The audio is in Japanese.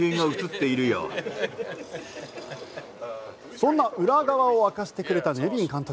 そんな裏側を明かしてくれたネビン監督。